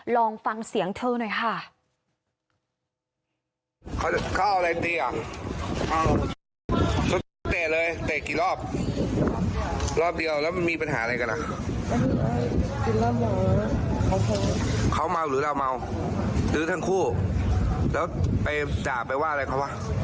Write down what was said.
ลองฟังเสียงเธอหน่อยค่ะ